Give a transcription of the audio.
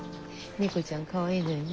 猫ちゃんかわいいのよね。